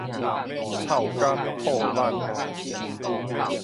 臭柑吐籠